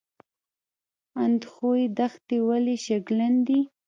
اندخوی دښتې ولې شګلن دي؟